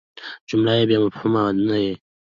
جمله بېمفهومه نه يي.